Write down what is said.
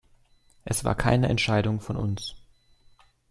Es war keine Entscheidung von uns.